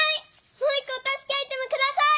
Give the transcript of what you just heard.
もう１こおたすけアイテムください！